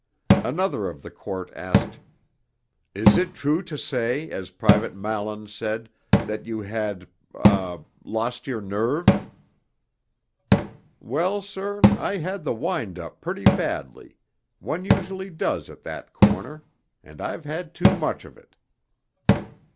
Another of the Court asked: 'Is it true to say, as Private Mallins said, that you had ah lost your nerve?' 'Well, sir, I had the wind up pretty badly; one usually does at that corner and I've had too much of it.'